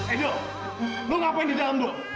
edo lu ngapain di dalam bu